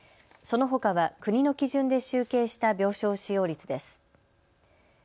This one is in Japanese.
そのほかは国の基準で集計した病床使用率です。